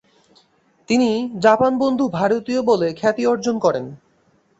তিনি জাপান-বন্ধু ভারতীয় বলে খ্যাতি অর্জন করেন।